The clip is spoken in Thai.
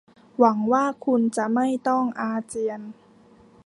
หวังว่าคุณจะไม่ต้องอาเจียน